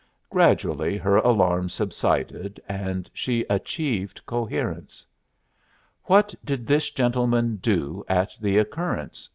Gradually her alarm subsided and she achieved coherence. "What did this gentleman do at the occurrence?"